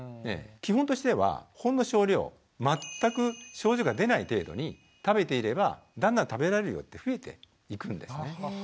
基本としてはほんの少量全く症状が出ない程度に食べていればだんだん食べられる量って増えていくんですね。